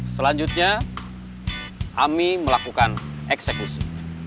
selanjutnya ami melakukan eksekusi